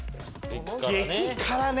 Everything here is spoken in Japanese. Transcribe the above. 激辛ね。